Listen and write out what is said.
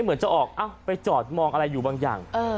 เหมือนจะออกไปจอดมองอะไรอยู่บางอย่าง